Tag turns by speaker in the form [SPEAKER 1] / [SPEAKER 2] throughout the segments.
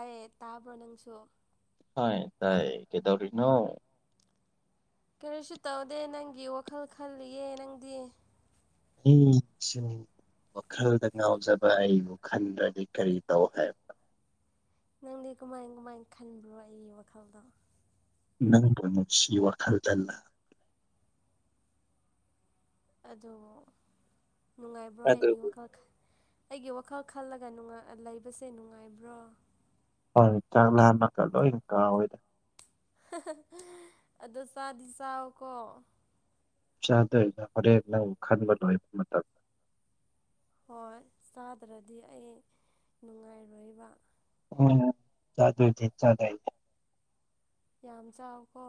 [SPEAKER 1] ꯑꯦ ꯇꯥꯕ꯭ꯔꯣ ꯅꯪꯁꯨ
[SPEAKER 2] ꯍ ꯇꯥꯏꯌꯦ ꯀꯦꯗꯧꯔꯤꯅꯣ
[SPEAKER 1] ꯀꯔꯤꯁꯨ ꯇꯧꯗꯦ ꯅꯪꯒꯤ ꯋꯥꯈꯜ ꯈꯜꯂꯤꯌꯦ ꯅꯪꯗꯤ
[SPEAKER 2] ꯎ ꯋꯥꯈꯜꯗ ꯉꯥꯎꯖꯕ ꯑꯩꯕꯨ ꯈꯟꯗ꯭ꯔꯗꯤ ꯀꯔꯤ ꯇꯧ ꯍꯥꯏꯕ
[SPEAKER 1] ꯅꯪꯗꯤ ꯀꯃꯥꯏ ꯀꯃꯥꯏ ꯈꯟꯕ꯭ꯔꯣ ꯑꯩꯒꯤ ꯋꯥꯈꯜꯗꯣ
[SPEAKER 2] ꯅꯪꯅꯣꯁꯤ ꯋꯥ ꯈꯜꯗꯂ
[SPEAKER 1] ꯑꯗꯨ ꯅꯨꯡꯉꯥꯏꯕ꯭ꯔꯣ ꯑꯩꯒꯤ
[SPEAKER 2] ꯑꯗꯨꯕꯨ
[SPEAKER 1] ꯋꯥꯈꯜ ꯑꯩꯒꯤ ꯋꯥꯈꯜ ꯈꯜꯂꯒ ꯂꯩꯕꯁꯦ ꯅꯨꯡꯉꯥꯏꯕ꯭ꯔꯣ
[SPEAKER 2] ꯍꯣꯏ ꯆꯥꯛ ꯂꯥꯝꯕꯑꯒ ꯂꯣꯏ ꯀꯥꯎꯋꯦꯗ
[SPEAKER 1] ꯑꯗꯣ ꯆꯥꯗꯤ ꯆꯥꯑꯣꯀꯣ
[SPEAKER 2] ꯆꯥꯗꯣꯏꯅ ꯍꯣꯔꯦꯟ ꯅꯪ ꯈꯟꯕ ꯂꯣꯏꯕ ꯃꯇꯝ
[SPEAKER 1] ꯍꯣꯏ ꯆꯥꯗ꯭ꯔꯗꯤ ꯑꯩ ꯅꯨꯡꯉꯥꯏꯔꯣꯏꯕ
[SPEAKER 2] ꯎꯝ ꯆꯥꯗ ꯗꯨꯇꯤ ꯆꯠꯂꯦ ꯑꯩꯗꯤ
[SPEAKER 1] ꯌꯥꯝ ꯆꯥꯎꯕꯀꯣ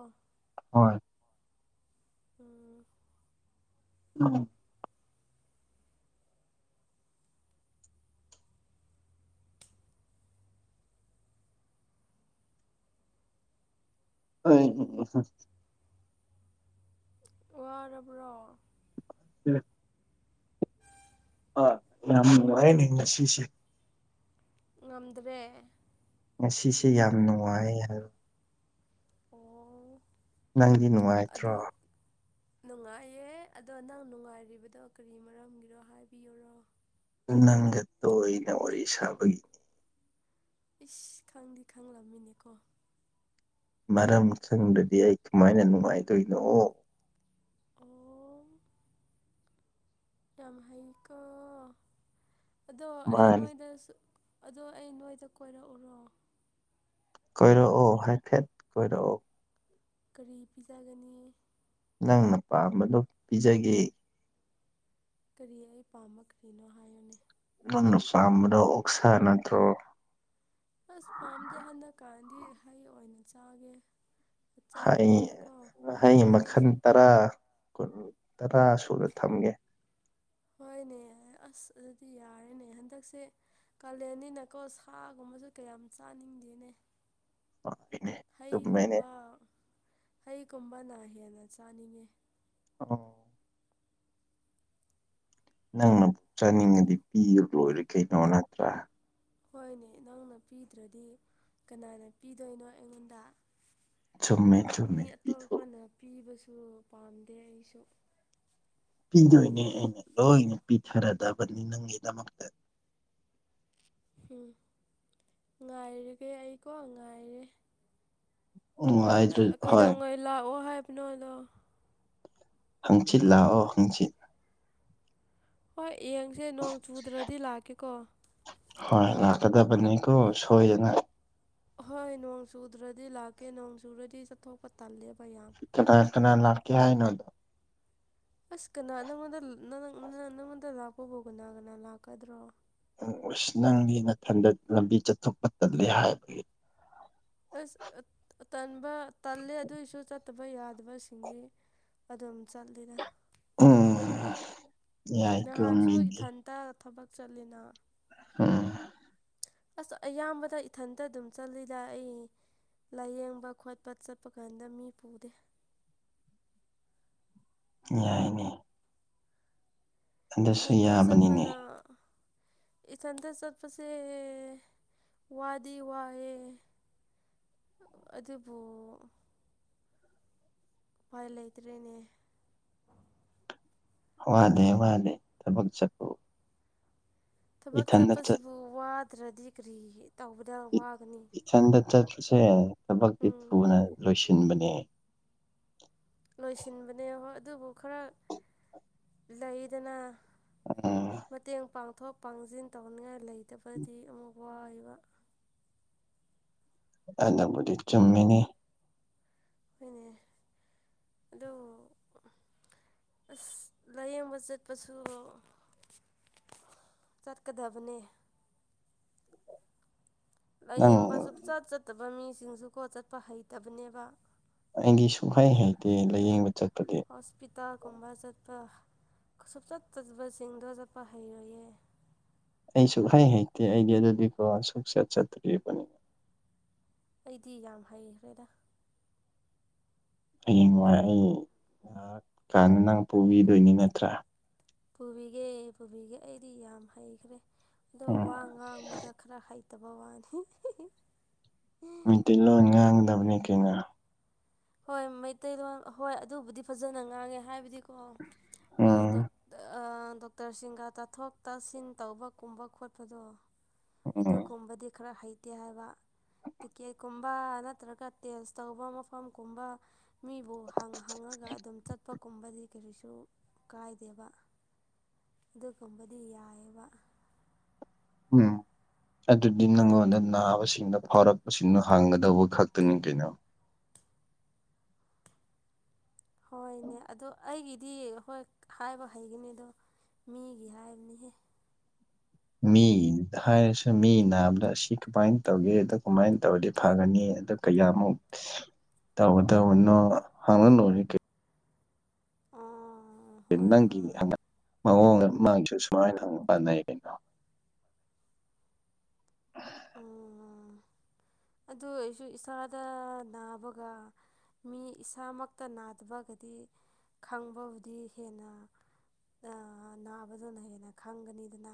[SPEAKER 2] ꯍꯣꯏ
[SPEAKER 1] ꯎꯝ
[SPEAKER 2] ꯎꯝ ꯎ ꯎꯝ ꯎ
[SPEAKER 1] ꯋꯥꯔꯕ꯭ꯔꯣ
[SPEAKER 2] ꯎꯝ ꯑ ꯌꯥꯝꯅꯨꯡ ꯋꯥꯥꯏꯅꯤꯅ ꯁꯤꯁꯦ
[SPEAKER 1] ꯉꯝꯗ꯭ꯔꯦ
[SPEAKER 2] ꯉꯁꯤꯁꯦ ꯌꯥꯝ ꯅꯨꯡꯉꯥꯏ ꯍꯥꯏꯕ
[SPEAKER 1] ꯑꯣ
[SPEAKER 2] ꯅꯪꯗꯤ ꯅꯨꯡꯉꯥꯏꯇ꯭ꯔꯣ
[SPEAKER 1] ꯑꯗꯣ ꯅꯨꯡꯉꯥꯏꯌꯦ ꯑꯗꯣ ꯅꯪ ꯅꯨꯡꯉꯥꯏꯔꯤꯕꯗꯣ ꯀꯔꯤ ꯃꯔꯝꯒꯤꯔꯣ ꯍꯥꯏꯕꯤꯌꯨꯔꯣ
[SPEAKER 2] ꯅꯪꯒ ꯇꯣꯏꯅ ꯋꯥꯔꯤ ꯁꯥꯕꯒꯤ
[SPEAKER 1] ꯏꯁ ꯈꯪꯗꯤ ꯈꯪꯂꯝꯃꯤꯅꯦ ꯀꯣ
[SPEAKER 2] ꯃꯔꯝ ꯈꯪꯗꯔꯗꯤ ꯑꯩ ꯀꯃꯥꯏꯅ ꯅꯨꯡꯉꯥꯏꯗꯣꯏꯅꯣ
[SPEAKER 1] ꯑꯣ ꯌꯥꯝ ꯍꯩꯀꯣ ꯑꯗꯣ ꯑꯩ
[SPEAKER 2] ꯃꯥꯅꯤ
[SPEAKER 1] ꯅꯣꯏꯗꯁꯨ ꯑꯗꯣ ꯑꯩ ꯅꯣꯏꯗ ꯀꯣꯏꯔꯛꯎꯔꯣ
[SPEAKER 2] ꯀꯣꯏꯔꯛꯑꯣ ꯍꯥꯏꯐꯦꯠ ꯀꯣꯏꯔꯛꯑꯣ
[SPEAKER 1] ꯀꯔꯤ ꯄꯤꯖꯒꯅꯤ
[SPEAKER 2] ꯅꯪꯅ ꯄꯥꯝꯕꯗꯣ ꯄꯤꯖꯒꯦ
[SPEAKER 1] ꯀꯔꯤ ꯑꯩ ꯄꯥꯝꯝꯕ ꯀ꯭ꯔꯤꯅꯣ ꯍꯥꯏꯌꯨꯅꯦ
[SPEAKER 2] ꯅꯪꯅ ꯄꯥꯝꯕꯗ ꯑꯣꯛꯁꯥ ꯅꯠꯇ꯭ꯔꯣ
[SPEAKER 1] ꯑꯁ ꯄꯥꯝꯗꯦ ꯍꯟꯗꯛ ꯀꯥꯟꯗꯤ ꯍꯩ ꯑꯣꯏꯅ ꯆꯥꯒꯦ ꯍꯛꯆꯥꯡ
[SPEAKER 2] ꯍꯩꯏ
[SPEAKER 1] ꯐꯕꯀꯣ
[SPEAKER 2] ꯍꯩꯏ ꯃꯈꯜ
[SPEAKER 1] ꯍꯟꯗꯛꯁꯦ
[SPEAKER 2] ꯇꯔꯥ ꯇꯔꯥ ꯁꯨꯅ ꯊꯝꯒꯦ
[SPEAKER 1] ꯍꯣꯏꯅꯦ ꯑꯁ ꯑꯗꯨꯗꯤ ꯌꯥꯔꯦꯅꯦ ꯍꯟꯗꯛꯁꯦ ꯀꯥꯂꯦꯟꯅꯤꯅꯀꯣ ꯁꯥꯒꯨꯝꯕꯁꯨ ꯀꯌꯥꯝ ꯆꯥꯅꯤꯡꯗꯦꯅꯦ
[SPEAKER 2] ꯑꯅꯦ [inaudible]
[SPEAKER 1] ꯍꯩꯒꯨꯝꯕ ꯍꯩꯒꯨꯝꯕꯅ ꯍꯦꯟꯅ ꯆꯥꯅꯤꯡꯉꯦ
[SPEAKER 2] ꯑꯣ ꯅꯪꯅ ꯆꯥꯅꯤꯡꯉꯗꯤ ꯄꯤꯕ ꯂꯣꯏꯔꯦ ꯀꯩꯅꯣ ꯅꯠꯇ꯭ꯔꯥ
[SPEAKER 1] ꯍꯣꯏꯅꯦ ꯅꯪꯅ ꯄꯤꯗ꯭ꯔꯗꯤ ꯀꯅꯥꯅ ꯄꯤꯗꯣꯏꯅꯣ ꯑꯩꯉꯣꯟꯗ
[SPEAKER 2] ꯆꯨꯝꯃꯦ ꯆꯨꯝꯃꯦ
[SPEAKER 1] ꯃꯤ
[SPEAKER 2] ꯄꯤꯊꯣꯛ
[SPEAKER 1] ꯑꯇꯣꯞꯄꯅ ꯄꯤꯕꯁꯨ ꯄꯥꯝꯗꯦ ꯑꯩꯁꯨ
[SPEAKER 2] ꯄꯤꯗꯣꯏꯅꯦ ꯑꯩꯅ ꯂꯣꯏꯅ ꯄꯤꯊꯔꯗꯕꯅꯤ ꯅꯪꯒꯤꯗꯃꯛꯇ
[SPEAKER 1] ꯎꯝ ꯉꯥꯏꯔꯒꯦ ꯑꯩꯀꯣ ꯉꯥꯏꯔꯦ
[SPEAKER 2] ꯎꯝ ꯍꯥꯏꯗ꯭ꯔ ꯍꯣꯏ
[SPEAKER 1] ꯀꯩꯗꯧꯉꯩ ꯂꯥꯛꯑꯣ ꯍꯥꯏꯕꯅꯣ ꯑꯗꯣ
[SPEAKER 2] ꯍꯪꯆꯤꯠ ꯂꯥꯛꯑꯣ ꯍꯪꯆꯤꯠ
[SPEAKER 1] ꯍꯣꯏ ꯌꯦꯡꯁꯦ ꯅꯣꯡ ꯆꯨꯗ꯭ꯔꯗꯤ ꯂꯥꯛꯀꯦꯀꯣ
[SPEAKER 2] ꯍꯣꯏ ꯂꯥꯛꯀꯗꯕꯅꯤꯀꯣ ꯁꯣꯏꯗꯅ
[SPEAKER 1] ꯍꯣꯏ ꯅꯣꯡ ꯆꯨꯗ꯭ꯔꯗꯤ ꯂꯥꯛꯀꯦ ꯅꯣꯡ ꯆꯨꯔꯗꯤ ꯆꯠꯊꯣꯛꯄ ꯇꯜꯂꯦꯕ ꯌꯥꯝ
[SPEAKER 2] ꯀꯅꯥ ꯀꯅ ꯂꯥꯛꯦ ꯍꯥꯏꯅ ꯑꯗꯨꯣ
[SPEAKER 1] ꯑꯁ ꯀꯅꯥ ꯅꯪꯉꯣꯟꯗ ꯅꯪꯣꯟꯗ ꯂꯥꯛꯄꯕꯨ ꯀꯅꯥ ꯀꯅꯥ ꯂꯥꯛꯀꯗ꯭ꯔꯣ
[SPEAKER 2] ꯅꯪꯗꯤ ꯅꯊꯟꯗ ꯂꯝꯕꯤ ꯆꯠꯊꯣꯛꯄ ꯇꯥꯜꯂꯦ ꯍꯥꯏꯕꯒꯤ
[SPEAKER 1] ꯑꯁ ꯇꯟꯕ ꯇꯜꯂꯦ ꯑꯗꯨꯏꯁꯨ ꯆꯠꯇꯕ ꯕ ꯌꯥꯗꯕꯁꯤꯡꯗꯤ ꯑꯗꯨꯝ ꯆꯠꯂꯤꯗ
[SPEAKER 2] ꯎꯝ ꯌꯥꯏ ꯇꯨꯝꯃꯤꯅꯦ
[SPEAKER 1] ꯍ ꯊꯕꯛ ꯆꯠꯂꯤꯅ
[SPEAKER 2] ꯎꯝ
[SPEAKER 1] ꯑꯁ ꯑꯌꯥꯝꯕꯗ ꯏꯊꯟꯇ ꯑꯗꯨꯝ ꯆꯠꯂꯤꯗ ꯑꯩ ꯂꯥꯏꯌꯦꯡꯕ ꯈꯣꯠꯄ ꯆꯠꯄ ꯀꯥꯟꯗ ꯃꯤ ꯄꯨꯗꯦ
[SPEAKER 2] ꯌꯥꯏꯅꯦ ꯑꯗꯨꯁꯨ
[SPEAKER 1] ꯏꯊꯟꯇ
[SPEAKER 2] ꯌꯥꯕꯅꯤꯅꯦ
[SPEAKER 1] ꯆꯠꯄꯅ ꯏꯊꯟꯇ ꯆꯠꯄꯁꯦ ꯋꯥꯗꯤ ꯋꯥꯏꯌꯦ ꯑꯗꯨꯕꯨ ꯎꯄꯥꯏ ꯂꯩꯇ꯭ꯔꯦꯅꯦ꯫
[SPEAKER 2] ꯋꯥꯅꯦ ꯋꯥꯅꯦ ꯊꯕꯛ ꯆꯠꯄ
[SPEAKER 1] ꯊꯕꯛ
[SPEAKER 2] ꯆꯠ
[SPEAKER 1] ꯆꯠꯄꯁꯤꯕꯨ ꯋꯥꯗ꯭ꯔꯗꯤ ꯀꯔꯤ ꯇꯧꯕꯗ ꯋꯥꯒꯅꯤ
[SPEAKER 2] ꯏꯊꯟꯗ ꯆꯠꯄꯁꯦ ꯊꯕꯛꯇꯤ
[SPEAKER 1] ꯎꯝ
[SPEAKER 2] ꯊꯨꯅ ꯂꯣꯏꯁꯤꯟꯕꯅꯦ
[SPEAKER 1] ꯂꯣꯏꯁꯤꯟꯕꯅꯦ ꯍꯣꯏ ꯑꯗꯨꯕꯨ ꯈꯔ ꯂꯩꯗꯅ
[SPEAKER 2] ꯎꯝ
[SPEAKER 1] ꯃꯇꯦꯡ ꯄꯥꯡꯊꯣꯛ ꯄꯥꯡꯁꯤꯟ ꯇꯧꯅꯤꯡꯉꯥꯏ ꯂꯩꯇꯕꯗꯤ ꯑꯃꯨꯛ ꯋꯥꯏꯌꯦꯕ꯫
[SPEAKER 2] ꯑꯗꯨꯕꯨꯗꯤ ꯆꯨꯝꯃꯤꯅꯤ
[SPEAKER 1] ꯍꯣꯏꯅꯦ ꯑꯗꯣ꯫ ꯑꯁ ꯂꯥꯏꯌꯦꯡꯕ ꯆꯠꯄꯁꯨ ꯆꯠꯀꯗꯕꯅꯦ꯫ ꯂꯥꯏꯌꯦꯡꯕ
[SPEAKER 2] ꯅꯪ
[SPEAKER 1] ꯁꯆꯥꯠ ꯆꯠꯇꯕ ꯃꯤꯁꯤꯡꯁꯨꯀꯣ ꯆꯠꯄ ꯍꯩꯇꯕꯅꯦꯕ
[SPEAKER 2] ꯑꯩꯗꯤ ꯁꯨꯡꯍꯩ ꯍꯥꯏꯇꯦ ꯂꯥꯏꯌꯦꯡꯕ ꯆꯠꯄꯗꯤ
[SPEAKER 1] ꯍꯣꯁꯄꯤꯇꯥꯜꯒꯨꯝꯕ ꯆꯠꯄ ꯁꯨꯡꯆꯠ ꯆꯠꯇꯕꯁꯤꯡꯗꯣ ꯆꯠꯄ ꯍꯩꯔꯣꯏꯌꯦ
[SPEAKER 2] ꯑꯩ ꯁꯨꯛꯍꯩ ꯍꯩꯇꯦ ꯑꯩꯗꯤ ꯑꯗꯨꯗꯤꯀꯣ ꯁꯨꯛꯆꯠ ꯆꯠꯇ꯭ꯔꯤꯕꯅꯤ
[SPEAKER 1] ꯑꯩꯗꯤ ꯌꯥꯝ ꯍꯩꯈ꯭ꯔꯦꯗ꯫
[SPEAKER 2] ꯍꯌꯦꯡꯋꯥꯏ ꯑꯩ ꯅꯥꯔꯛꯀꯥꯟꯅ ꯅꯪ ꯄꯨꯕꯤꯗꯣꯏꯅꯤ ꯅꯠꯇ꯭ꯔꯥ
[SPEAKER 1] ꯄꯨꯕꯤꯒꯦ ꯄꯨꯕꯤꯒꯦ ꯑꯩꯗꯤ ꯌꯥꯝ ꯍꯩꯈ꯭ꯔꯦ ꯑꯗꯣ
[SPEAKER 2] ꯎꯝ
[SPEAKER 1] ꯋꯥ ꯉꯥꯡꯕꯗ ꯈꯔ ꯍꯩ [unintelligible]
[SPEAKER 2] ꯃꯩꯇꯩ ꯂꯣꯟ ꯉꯥꯡꯒꯗꯕꯅꯤ ꯀꯩꯅꯣ꯫
[SPEAKER 1] ꯍꯣꯏ ꯃꯩꯇꯩꯂꯣꯟ ꯍꯣꯏ ꯑꯗꯨꯕꯨꯗꯤ ꯐꯖꯅ ꯉꯥꯡꯉꯦ ꯍꯥꯏꯕꯗꯤ꯫
[SPEAKER 2] ꯎꯝ
[SPEAKER 1] [unintelligible] ꯗꯣꯛꯇꯔꯁꯤꯡꯒ ꯇꯥꯊꯣꯛ ꯇꯥꯁꯤꯟ ꯇꯧꯕꯒꯨꯝꯕ ꯈꯣꯠꯄꯗꯣ
[SPEAKER 2] ꯎꯝ
[SPEAKER 1] ꯑꯗꯨꯒꯨꯝꯕꯗꯤ ꯈꯔ ꯍꯩ ꯇꯦ ꯍꯥꯏꯕ ꯇꯤꯀꯦꯠꯀꯨꯝꯕ ꯅꯠꯇ꯭ꯔꯒ ꯇꯦꯁ ꯇꯧꯕ ꯃꯐꯝꯒꯨꯝꯕ ꯃꯤꯕꯨ ꯍꯪ ꯍꯪꯉꯒ ꯑꯗꯨꯝ ꯆꯠꯄꯒꯨꯝꯕꯗꯤ ꯀꯔꯤꯁꯨ ꯀꯥꯏꯗꯦꯕ ꯑꯗꯨꯒꯨꯝꯕꯗꯤ ꯌꯥꯏꯑꯕ
[SPEAKER 2] ꯎꯝ ꯑꯗꯨꯗꯤ ꯅꯉꯣꯟꯗ ꯅꯥꯕꯁꯤꯡꯗꯣ ꯐꯔꯛꯄꯁꯤꯡꯗꯣ ꯍꯡꯒꯗꯧꯕ ꯈꯛꯇꯅꯤ ꯀꯩꯅꯣ
[SPEAKER 1] ꯍꯣꯏꯅꯦ ꯑꯗꯣ ꯑꯩꯒꯤꯗꯤ ꯍꯣꯏ ꯍꯥꯏꯕ ꯍꯩꯒꯅꯤ ꯑꯗꯣ ꯃꯤꯒꯤ ꯍꯥꯏꯕꯅꯤꯍꯦ
[SPEAKER 2] ꯃꯤ ꯍꯥꯏꯔꯁꯨ ꯃꯤ ꯅꯥꯕꯗ ꯑꯁꯤ ꯀꯃꯥꯏꯅ ꯇꯧꯒꯦ ꯑꯗꯨ ꯀꯃꯥꯏꯅ ꯇꯧꯔꯗꯤ ꯐꯒꯅꯤ ꯑꯗꯨ ꯀꯌꯥꯃꯨꯛ ꯇꯧꯗꯧꯕꯅꯣ ꯍꯪꯪꯉ ꯂꯣꯏꯔꯦꯀꯩ
[SPEAKER 1] ꯑꯥ
[SPEAKER 2] ꯅꯪꯒꯤ [unintelligible] ꯃꯑꯣꯡ ꯃꯃꯥꯡꯁꯨ ꯁꯨꯃꯥꯏꯅ [unintelligible] ꯀꯩꯅꯣ
[SPEAKER 1] ꯎꯝ
[SPEAKER 2] [inaudible]
[SPEAKER 1] ꯑꯗꯨ ꯑꯣꯏꯁꯨ ꯏꯁꯥꯗ ꯅꯥꯕꯒ ꯃꯤ ꯏꯁꯥꯃꯛꯀ ꯅꯥꯗꯕꯒꯗꯤ ꯈꯪꯕꯕꯨꯗꯤ ꯍꯦꯟꯅ꯫ ꯑ____ ꯅꯥꯕꯗꯨꯅ ꯍꯦꯟꯅ ꯈꯪꯒꯅꯤꯗꯅ꯫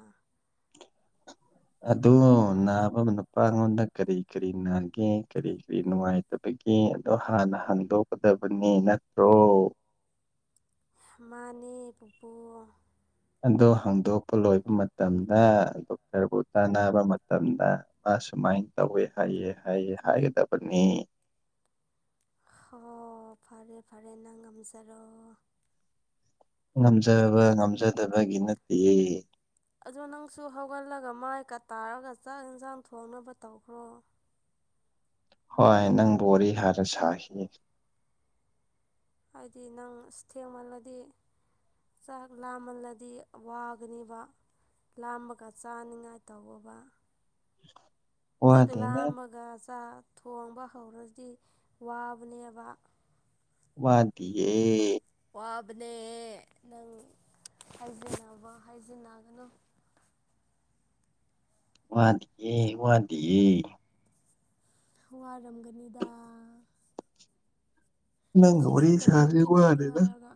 [SPEAKER 2] ꯑꯣ ꯅꯥꯕ ꯅꯨꯄꯥ ꯑꯩꯉꯣꯟꯗ ꯀꯔꯤ ꯀꯔꯤ ꯅꯥꯒꯦ ꯀꯔꯤ ꯀꯔꯤ ꯅꯨꯡꯉꯥꯏ ꯑꯗꯒꯤ ꯑꯗꯣ ꯍꯥꯟꯅ ꯍꯥꯡꯗꯣꯛꯀꯗꯕꯅꯤ ꯅꯠꯇ꯭ꯔꯣ?
[SPEAKER 1] ꯃꯥꯅꯦ ꯄꯨꯄꯨ
[SPEAKER 2] ꯑꯗꯨ ꯍꯪꯗꯣꯛꯄ ꯂꯣꯏꯕ ꯃꯇꯝꯗ ꯗꯣꯛꯇꯔꯕꯨ ꯇꯥꯟꯅꯕ ꯃꯇꯝꯗ ꯃꯥ ꯁꯨꯃꯥꯏꯅ ꯇꯧꯋꯦ ꯍꯥꯏꯌꯦ ꯍꯥꯏꯌꯦ ꯍꯥꯏꯒꯗꯕꯅꯤ꯫
[SPEAKER 1] ꯍꯣ ꯐꯔꯦ ꯐꯔꯦ ꯅꯪ ꯉꯝꯖꯔꯣ꯫
[SPEAKER 2] ꯉꯝꯖꯕ ꯉꯝꯖꯗꯕꯒꯤ ꯅꯠꯇꯤꯌꯦ꯫
[SPEAKER 1] ꯑꯗꯣ ꯅꯪꯁꯨ ꯍꯧꯒꯠꯂꯒ ꯃꯥꯏꯒ ꯇꯥꯔꯒ ꯆꯥꯛ ꯌꯦꯟꯁꯥꯡ ꯊꯣꯡꯅꯕ ꯇꯧꯈ꯭ꯔꯣ
[SPEAKER 2] ꯍꯣꯏ ꯅꯪ [unintelligible] ꯍꯥꯏꯔ ꯁꯥꯈꯤ
[SPEAKER 1] ꯍꯥꯏꯗꯤ ꯅꯪ ꯑꯁ ꯊꯦꯡꯃꯜꯂꯗꯤ꯫ ꯆꯥꯛ ꯂꯥꯃꯜꯂꯗꯤ ꯋꯥꯒꯅꯦꯕ ꯂꯥꯝꯃꯒ ꯆꯥꯅꯤꯡꯉꯥꯏ ꯇꯧꯑꯣꯕ ꯍꯦꯛ
[SPEAKER 2] ꯋꯥꯗꯦꯅ
[SPEAKER 1] ꯂꯥꯝꯃꯒ ꯆꯥꯛ ꯊꯣꯡꯕ ꯍꯧꯔꯗꯤ ꯋꯥꯕꯅꯦꯕ
[SPEAKER 2] ꯋꯥꯗꯦ
[SPEAKER 1] ꯋꯥꯕꯅꯦ ꯅꯪ ꯍꯥꯏꯖꯤꯟꯅꯕ ꯍꯥꯏꯖꯤꯟꯅꯒꯅꯨ
[SPEAKER 2] ꯋꯥꯗꯤ ꯋꯥꯗꯤꯌꯦ
[SPEAKER 1] ꯍꯉꯔꯝꯒꯅꯤꯗ
[SPEAKER 2] ꯅꯪꯒ ꯋꯥꯔꯤ
[SPEAKER 1] ꯀꯩ
[SPEAKER 2] ꯁꯥꯟꯗ꯭ꯔꯗꯤ
[SPEAKER 1] ꯅꯨꯃꯤꯠꯅꯣ ꯑꯗꯨ
[SPEAKER 2] ꯋꯥꯅꯤꯗ
[SPEAKER 1] ꯍꯥꯏꯔꯒ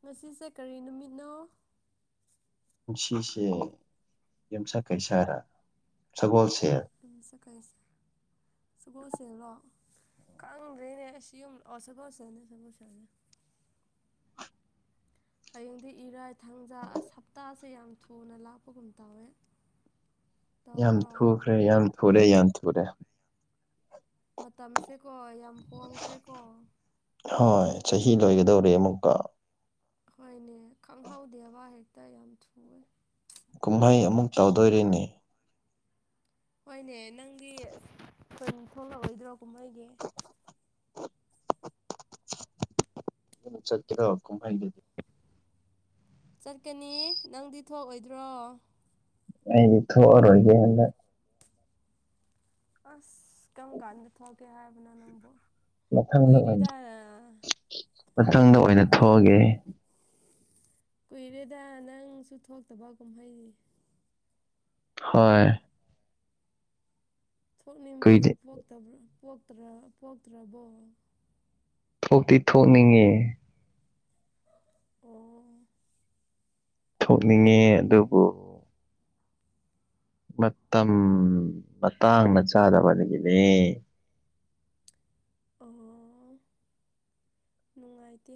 [SPEAKER 1] ꯉꯁꯤꯁꯦ ꯀꯔꯤ ꯅꯨꯃꯤꯠꯅꯣ
[SPEAKER 2] ꯉꯁꯤꯁꯦ ꯌꯦꯝꯁꯥ ꯀꯩꯁꯥꯔ ꯁꯒꯣꯜꯁꯦꯟ
[SPEAKER 1] ꯌꯨꯝꯖꯥ ꯀꯩꯁꯥ ꯁꯒꯣꯜꯁꯦꯜꯂꯣ ꯀꯪꯗ꯭ꯔꯦꯅꯦ ꯌꯨꯝ ꯂꯥꯛꯑꯣ ꯁꯒꯣꯜꯁꯦꯜꯅꯦ ꯁꯒꯣꯜꯁꯦꯜꯁꯦ ꯍꯌꯦꯡꯗꯤ ꯏꯔꯥꯏ ꯊꯥꯡꯖꯥ ꯑꯁ ꯍꯞꯇꯥꯁꯦ ꯌꯥꯝ ꯊꯨꯅ ꯂꯥꯛꯄꯒꯨꯝ ꯇꯧꯋꯦ
[SPEAKER 2] ꯌꯥꯝ
[SPEAKER 1] ꯇꯧꯗ꯭ꯔꯣ
[SPEAKER 2] ꯊꯨꯈ꯭ꯔꯦ ꯌꯥꯝ ꯊꯨꯔꯦ ꯌꯥꯝ ꯊꯨꯔꯦ
[SPEAKER 1] ꯃꯇꯝꯁꯦꯀꯣ ꯌꯥꯝ ꯍꯣꯡꯈ꯭ꯔꯦꯀꯣ
[SPEAKER 2] ꯍꯣꯏ ꯆꯍꯤ ꯂꯣꯏꯒꯗꯧꯔꯦ ꯑꯃꯨꯛꯀ
[SPEAKER 1] ꯍꯣꯏꯅꯦ ꯈꯪꯍꯧꯗꯦꯕ ꯍꯦꯛꯇ ꯌꯥꯝ ꯊꯨꯑꯦ
[SPEAKER 2] ꯀꯨꯝꯍꯩ ꯑꯃꯨꯛ ꯇꯧꯗꯣꯔꯦꯅꯦ
[SPEAKER 1] ꯍꯣꯏꯅꯦ ꯅꯪꯒꯤ ꯊꯣꯛꯂꯛꯑꯣꯏꯗ꯭ꯔꯣ ꯀꯨꯝꯍꯩꯒꯤ
[SPEAKER 2] ꯆꯠꯇꯤꯔ ꯍꯛꯀ ꯍꯥꯏꯗꯗꯤ
[SPEAKER 1] ꯆꯠꯀꯅꯤ ꯅꯪꯗꯤ ꯊꯣꯛꯑꯣꯏꯗ꯭ꯔꯣ
[SPEAKER 2] ꯑꯩꯗꯤ ꯊꯣꯛꯑꯔꯣꯏꯒꯦ ꯍꯟꯗꯛ
[SPEAKER 1] ꯑꯁ! ꯀꯝ ꯀꯥꯟꯗ ꯊꯣꯛꯀꯦ ꯍꯥꯏꯕꯅꯣ ꯅꯪꯕꯣ
[SPEAKER 2] ꯃꯊꯪꯗ ꯑꯣꯏꯅ ꯃꯊꯪꯗ ꯑꯣꯏꯅ ꯊꯣꯛꯑꯒꯦ
[SPEAKER 1] ꯀꯨꯏꯔꯦꯗ ꯅꯪꯁꯨ ꯊꯣꯛꯇꯕ ꯀꯨꯝꯍꯩꯅꯤ
[SPEAKER 2] ꯍꯣꯏ
[SPEAKER 1] ꯊꯣꯛꯅꯤꯡꯕꯒ
[SPEAKER 2] ꯀꯨꯏꯗꯦ
[SPEAKER 1] ꯄꯣꯛꯇ꯭ꯔꯕꯣ ꯄꯣꯛꯇ꯭ꯔꯥ ꯄꯣꯛꯇ꯭ꯔꯥꯕꯣ
[SPEAKER 2] ꯊꯣꯛꯇꯤ ꯊꯣꯛꯅꯤꯡꯉꯦ
[SPEAKER 1] ꯑꯣ
[SPEAKER 2] ꯊꯣꯛꯅꯤꯡꯉꯦ ꯑꯗꯨꯕꯨ ꯃꯇꯝ ꯃꯇꯥꯡꯅ ꯆꯥꯗꯕꯗꯒꯤꯅꯦ
[SPEAKER 1] ꯑꯣ ꯅꯨꯡꯉꯥꯏꯇꯦ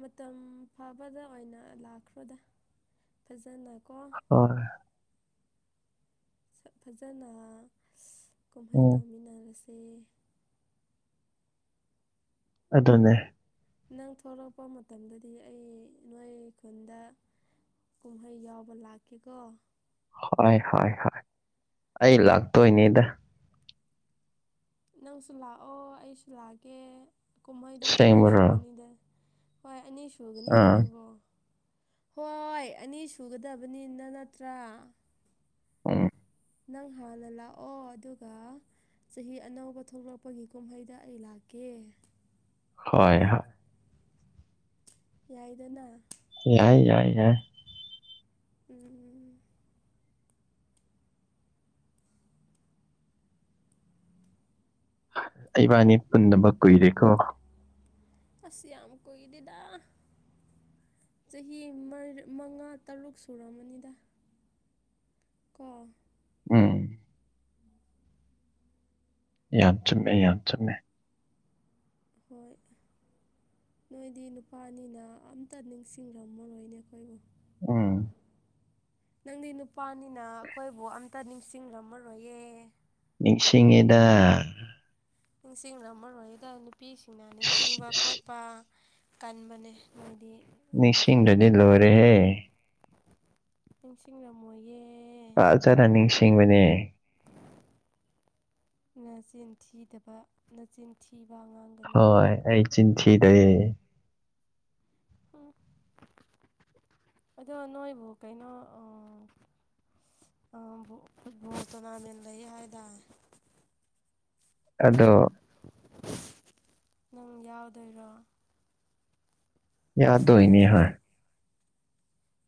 [SPEAKER 1] ꯃꯇꯝ ꯐꯥꯕꯗ ꯑꯣꯏꯅ ꯂꯥꯛꯈ꯭ꯔꯣꯗ ꯐꯖꯅꯀꯣ
[SPEAKER 2] ꯍꯔꯦ
[SPEAKER 1] ꯁꯛ ꯐꯖꯅ ꯀꯨꯝꯍꯩ
[SPEAKER 2] ꯎꯝ
[SPEAKER 1] ꯇꯧꯃꯤꯟꯅꯔꯁꯦ
[SPEAKER 2] ꯑꯗꯨꯅꯦ
[SPEAKER 1] ꯅꯪ ꯊꯂꯛꯄ ꯃꯇꯝꯗꯗꯤ ꯑꯩ ꯅꯣꯏ ꯈꯨꯟꯗ ꯀꯨꯝꯍꯩ ꯌꯥꯎꯕ ꯂꯥꯛꯀꯦꯀꯣ
[SPEAKER 2] ꯍꯣꯏ ꯍꯣꯏ ꯍꯣꯏ ꯑꯩ ꯂꯥꯛꯇꯣꯏꯅꯦꯗ
[SPEAKER 1] ꯅꯪꯁꯨ ꯂꯥꯛꯑꯣ ꯑꯩꯁꯨ ꯂꯥꯛꯒꯦ ꯀꯨꯝꯍꯩꯗꯣ ꯑꯅꯤ
[SPEAKER 2] ꯑꯁꯦꯡꯕꯔꯣ
[SPEAKER 1] ꯁꯨꯒꯅꯤꯗ ꯍꯣꯏ ꯑꯅꯤ
[SPEAKER 2] ꯑꯥ
[SPEAKER 1] ꯁꯨꯒꯅꯤꯗꯅꯀꯣ ꯍꯣꯏ ꯑꯅꯤ ꯁꯨꯒꯗꯕꯅꯤꯅ ꯅꯠꯇ꯭ꯔꯥ
[SPEAKER 2] ꯎꯝ
[SPEAKER 1] ꯅꯪ ꯍꯥꯟꯅ ꯂꯥꯛꯑꯣ ꯑꯗꯨꯒ ꯆꯍꯤ ꯑꯅꯧꯕ ꯊꯣꯛꯂꯛꯄꯒꯤ ꯀꯨꯝꯍꯩꯗ ꯑꯩ ꯂꯥꯛꯀꯦ
[SPEAKER 2] ꯍꯣꯏ ꯍꯣꯏ
[SPEAKER 1] ꯌꯥꯏꯗꯅ
[SPEAKER 2] ꯌꯥꯏ ꯌꯥꯏ ꯌꯥ
[SPEAKER 1] ꯎꯝ
[SPEAKER 2] ꯏꯕꯥꯅꯤ ꯄꯨꯟꯅꯕ ꯀꯨꯏꯔꯦꯀꯣ
[SPEAKER 1] ꯑꯁ ꯌꯥꯝ ꯀꯨꯏꯗꯦꯗ ꯆꯍꯤ ꯃꯥ ꯃꯉꯥ ꯇꯔꯨꯛ ꯁꯨꯔꯝ ꯃꯅꯤꯗ ꯀꯣ
[SPEAKER 2] ꯎꯝ ꯌꯥꯝ ꯆꯨꯝꯃꯦ ꯌꯥꯝ ꯆꯨꯝꯃꯦ
[SPEAKER 1] ꯍꯣꯏ ꯅꯣꯏꯗꯤ ꯅꯨꯄꯥꯅꯤꯅ ꯑꯝꯇ ꯅꯤꯡꯁꯤꯡꯔꯝꯃꯔꯣꯏꯅꯦ ꯑꯩꯈꯣꯏꯕꯨ꯫
[SPEAKER 2] ꯎꯝ
[SPEAKER 1] ꯅꯪꯗꯤ ꯅꯨꯄꯥꯅꯤꯅ ꯑꯩꯈꯣꯏꯕꯨ ꯑꯝꯇ ꯅꯤꯡꯁꯤꯡꯂꯝꯝꯃꯔꯣꯏꯌꯦ
[SPEAKER 2] ꯅꯤꯡꯁꯤꯡꯉꯤꯗ
[SPEAKER 1] ꯅꯤꯡꯁꯤꯡꯅ ꯃꯔꯔ ꯑꯣꯏꯗ ꯅꯨꯄꯤꯁꯤꯡꯅ
[SPEAKER 2] ꯏꯁ
[SPEAKER 1] ꯅꯤꯡꯁꯤꯡꯕ
[SPEAKER 2] ꯏꯁ
[SPEAKER 1] ꯈꯣꯠꯄ ꯀꯟꯕꯅꯦ ꯃꯣꯏꯗꯤ꯫
[SPEAKER 2] ꯅꯤꯡꯁꯤꯡꯗꯨꯗꯤ ꯂꯣꯏꯔꯦꯍꯦ
[SPEAKER 1] ꯅꯤꯡ ꯅꯤꯡꯁꯤꯡꯔꯝꯃꯣꯏꯌꯦꯦ
[SPEAKER 2] ꯑꯗꯨꯅ ꯅꯤꯡꯁꯤꯡꯕꯅꯦ
[SPEAKER 1] ꯉ ꯆꯦꯟ ꯊꯤꯗꯕꯅꯆꯦꯟ ꯊꯤꯕ ꯑꯉꯥꯡ
[SPEAKER 2] ꯍꯣꯏ ꯑꯩ ꯆꯤꯟꯊꯤꯗ
[SPEAKER 1] ꯎꯝ
[SPEAKER 2] [inaudible]
[SPEAKER 1] ꯑꯗꯣ ꯅꯣꯏꯕꯨ ꯀꯩꯅꯣ ꯑ ꯐꯨꯠꯕꯣꯜ ꯇꯣꯔꯅꯥꯃꯦꯟ ꯂꯩ ꯍꯥꯏ ꯗ
[SPEAKER 2] ꯑꯗꯣ
[SPEAKER 1] ꯅꯪ ꯌꯥꯎꯗꯅ
[SPEAKER 2] ꯌꯥꯗꯣꯏꯅꯦ ꯍꯥꯏꯣꯏ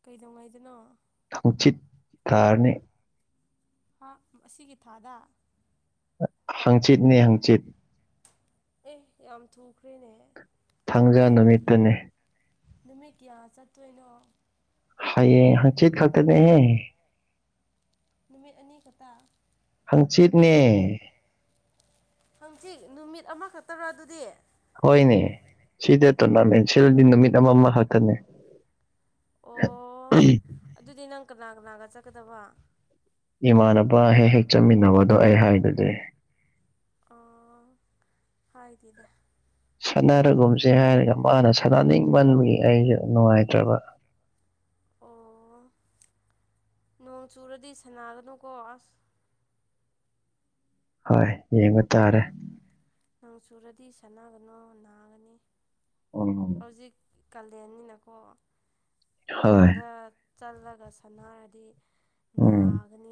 [SPEAKER 1] ꯀꯩꯗꯧꯉꯥꯏꯗꯅꯣ
[SPEAKER 2] ꯈꯆꯤꯠ ꯇꯥꯔꯅꯦ
[SPEAKER 1] ꯍꯥ ꯑꯁꯤꯒꯤ ꯊꯥꯗ꯫
[SPEAKER 2] ꯍꯪꯆꯤꯠꯅꯦ ꯍꯪꯆꯤꯠ
[SPEAKER 1] ꯑꯦ ꯌꯥꯝ ꯊꯨꯈ꯭ꯔꯦꯅꯦꯍ
[SPEAKER 2] ꯊꯥꯡꯖ ꯅꯨꯃꯤꯠꯇꯨꯅꯦ
[SPEAKER 1] ꯅꯨꯃꯤꯠ ꯀꯌꯥ ꯆꯠꯇꯣꯏꯅꯣ
[SPEAKER 2] ꯍꯥꯏꯌꯦ ꯆꯦꯠ ꯈꯗ ꯍ
[SPEAKER 1] ꯅꯨꯃꯤꯠ ꯑꯅꯤ ꯈꯛꯇ
[SPEAKER 2] ꯍꯪꯆꯤꯠꯅꯦ
[SPEAKER 1] ꯍꯪꯆꯤꯠ ꯅꯨꯃꯤꯠ ꯑꯃꯈꯛꯇꯔ ꯑꯗꯨꯗꯤ
[SPEAKER 2] ꯍꯣꯏꯅꯦ ꯁꯤꯗ ꯇꯣꯔꯅꯥꯃꯦꯟꯁꯤꯂꯗꯤ ꯅꯨꯃꯤꯠ ꯑꯃꯃ ꯈꯛꯇꯅꯦ꯫
[SPEAKER 1] ꯑꯣ
[SPEAKER 2] [unintelligible]
[SPEAKER 1] ꯑꯗꯨꯗꯤ ꯅꯪ ꯀꯅꯥ ꯀꯅꯥꯒ ꯆꯠꯀꯗꯕ
[SPEAKER 2] ꯏꯃꯥꯅꯄꯥ ꯍꯦꯛ ꯍꯦꯛ ꯆꯠꯃꯤꯟꯅꯕꯗꯣ ꯑꯩ ꯍꯥꯏꯗꯨꯗꯤꯦ
[SPEAKER 1] ꯍꯥꯏꯥꯏꯗꯗ
[SPEAKER 2] ꯁꯥꯟꯅꯔꯒꯨꯝꯁꯦ ꯍꯥꯏꯔꯒ ꯃꯥꯅ ꯁꯥꯟꯅꯅꯤꯡꯃꯟꯕꯒꯤ ꯑꯩꯁꯨ ꯅꯨꯡꯉꯥꯏꯇ꯭ꯔꯕ
[SPEAKER 1] ꯑꯣ ꯅꯣꯡ ꯆꯨꯔꯗꯤ ꯁꯥꯟꯅꯥꯒꯅꯨꯀꯣ ꯑꯁ
[SPEAKER 2] ꯍꯣꯏ ꯌꯦꯡꯕ ꯇꯥꯔꯦ
[SPEAKER 1] ꯅꯣꯡ ꯆꯨꯔꯗꯤ ꯁꯥꯟꯅꯒꯅꯨ ꯅꯥꯒꯅꯤ
[SPEAKER 2] ꯎꯝ
[SPEAKER 1] ꯍꯧꯖꯤꯛ ꯀꯥꯂꯦꯟꯅꯤꯅꯀꯣ
[SPEAKER 2] ꯍꯣꯏ
[SPEAKER 1] ꯅꯣꯡꯗ ꯆꯠꯂꯒ ꯁꯥꯟꯅꯔꯗꯤ
[SPEAKER 2] ꯎꯝ
[SPEAKER 1] ꯅꯥꯒꯅꯤ